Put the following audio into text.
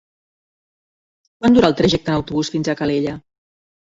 Quant dura el trajecte en autobús fins a Calella?